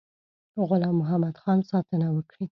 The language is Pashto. غلام محمدخان ساتنه وکړي.